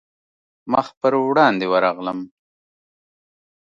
مخ پر وړاندې ورغلم.